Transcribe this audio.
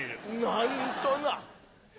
何とな。